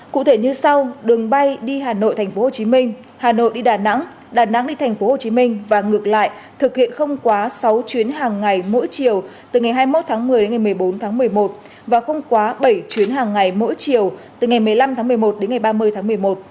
cụ thể như sau đường bay đi hà nội tp hcm hà nội đi đà nẵng đà nẵng đi tp hcm và ngược lại thực hiện không quá sáu chuyến hàng ngày mỗi chiều từ ngày hai mươi một tháng một mươi đến ngày một mươi bốn tháng một mươi một và không quá bảy chuyến hàng ngày mỗi chiều từ ngày một mươi năm tháng một mươi một đến ngày ba mươi tháng một mươi một